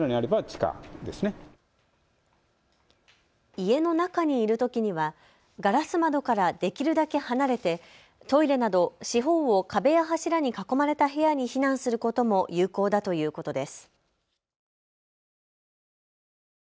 家の中にいるときにはガラス窓からできるだけ離れてトイレなど四方を壁や柱に囲まれた部屋に避難することも有効だということです。